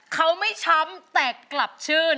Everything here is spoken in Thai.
เขาไม่ช้ำแต่กลับชื่น